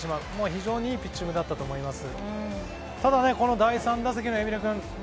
非常にいいピッチングだったと思います。